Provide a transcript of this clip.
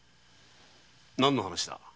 何の話だ？